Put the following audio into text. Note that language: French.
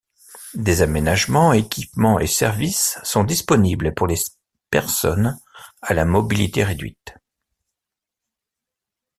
Des aménagements, équipements et services sont disponibles pour les personnes à la mobilité réduite.